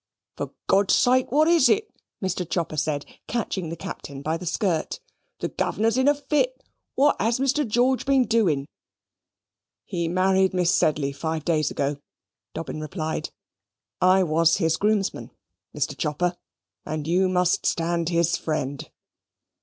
"For God's sake, what is it?" Mr. Chopper said, catching the Captain by the skirt. "The governor's in a fit. What has Mr. George been doing?" "He married Miss Sedley five days ago," Dobbin replied. "I was his groomsman, Mr. Chopper, and you must stand his friend."